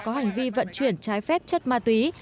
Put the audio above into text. có hành vi vận chuyển trái phép chất ma túy